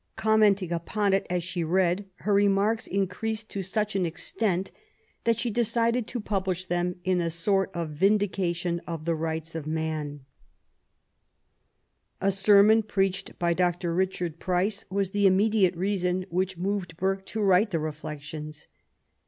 Commenting it as she read, her remarks increased to such It that she decided to publish them as a short ofikeB^^kUofMam. MTEEABY WORK. 87 A sermon preached by Dr. Bichaxd Price was the immediate reason which moved Surke to write the Reflections.